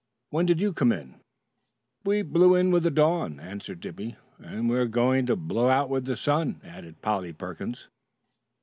"When did you come in?" "We blew in with the dawn," answered Dippy. "And we're going to blow out with the sun," added Polly Perkins.